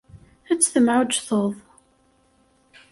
Ad temɛujjteḍ.